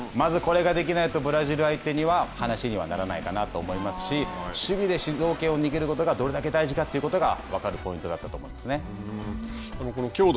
まず、これができないとブラジル相手には話にはならないかなと思いますし守備で主導権を握ることがどれだけ大事かということが分かるポイントだったと思います。